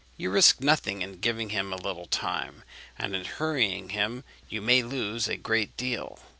You risk nothing in giving him a little time, and in hurrying him you may lose a great deal.